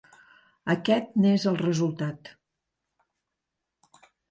Aquest n’és el resultat.